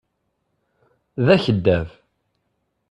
D akeddab.